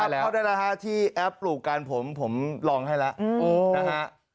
เข้าได้แล้วครับเข้าได้แล้วที่แอปปลูกการผมผมลองให้แล้วนะฮะ